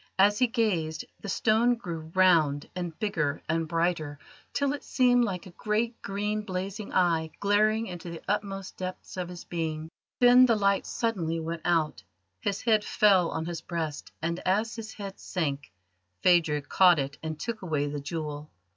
As he gazed, the stone grew round and bigger and brighter, till it seemed like a great green blazing eye glaring into the utmost depths of his being. Then the light suddenly went out, his head fell on his breast, and as his hand sank, Phadrig caught it and took away the jewel.